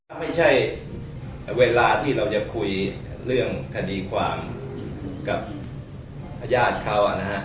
ถ้าไม่ใช่เวลาที่เราจะคุยเรื่องคดีความกับญาติเขานะฮะ